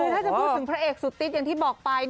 คือถ้าจะพูดถึงพระเอกสุดติ๊ดอย่างที่บอกไป